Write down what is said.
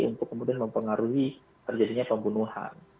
untuk kemudian mempengaruhi terjadinya pembunuhan